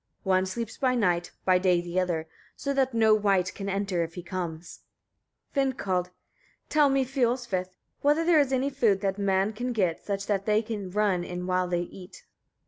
One sleeps by night, by day the other, so that no wight can enter if he comes. Vindkald. 18. Tell me, Fiolsvith! etc., whether there is any food that men can get, such that they can run in while they eat?